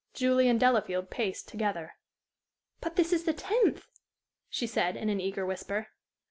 Julie and Delafield paced together. "But this is the tenth!" she said, in an eager whisper.